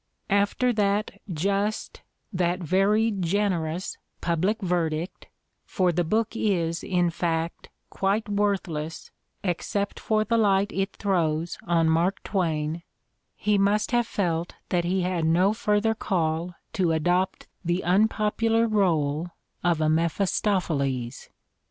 After that just, that very generous public verdict — for the book is, in fact, quite worthless except for the light it throws on Mark Twain — he must have felt that he had no further call to adopt the unpopular role of a Mephistopheles.